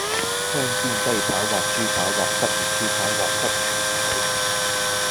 香煎雞扒或豬扒或吉列豬扒或吉列魚柳